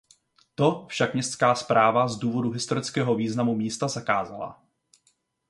To však městská správa z důvodu historického významu místa zakázala.